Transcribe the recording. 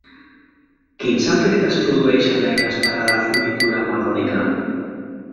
Quins efectes produeix en la inesperada floritura melòdica?